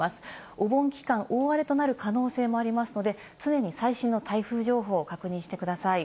お盆期間、大荒れとなる可能性もありますので、常に最新の台風情報を確認してください。